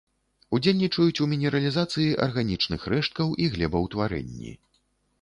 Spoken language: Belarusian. Удзельнічаюць у мінералізацыі арганічных рэшткаў і глебаўтварэнні.